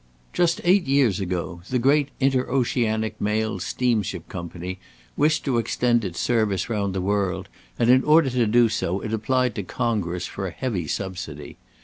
"Just eight years ago, the great 'Inter Oceanic Mail Steamship Company,' wished to extend its service round the world, and, in order to do so, it applied to Congress for a heavy subsidy.